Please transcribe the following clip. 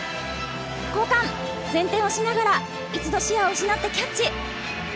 交換、前転しながら一度手具を失ってキャッチ。